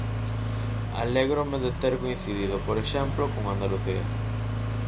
Alégrome de ter coincidido, por exemplo, con Andalucía.